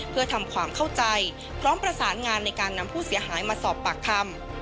เพื่อทำความเข้าใจพร้อมประสานงานในการนำผู้เสียหายมาสอบปากคำ